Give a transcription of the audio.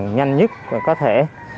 nhanh nhất có thể